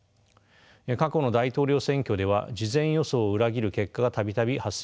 過去の大統領選挙では事前予想を裏切る結果が度々発生してきました。